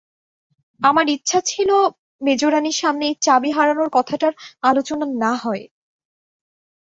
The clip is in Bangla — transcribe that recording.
আমার ইচ্ছা ছিল মেজোরানীর সামনে এই চাবি-হারানোর কথাটার আলোচনা না হয়।